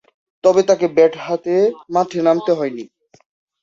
তবে, তাকে ব্যাট হাতে মাঠে নামতে হয়নি।